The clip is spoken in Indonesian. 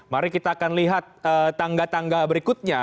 mari kita akan lihat tangga tangga berikutnya